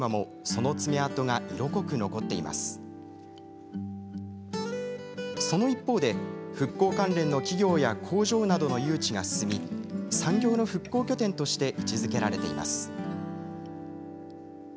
その一方で、復興関連の企業や工場などの誘致が進み産業の復興拠点として位置づけられています。